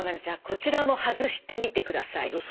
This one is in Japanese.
じゃあこちらも外してみてください。